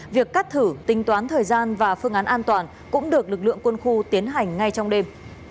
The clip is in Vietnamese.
việc cắt thử tính toán thời gian và phương án an toàn cũng được lực lượng quân khu tiến hành ngay trong đêm